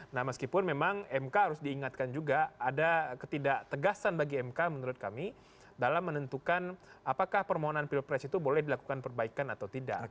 nah meskipun memang mk harus diingatkan juga ada ketidak tegasan bagi mk menurut kami dalam menentukan apakah permohonan pilpres itu boleh dilakukan perbaikan atau tidak